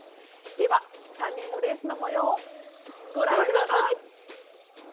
では、３人のレースのもようご覧ください。